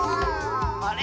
あれ？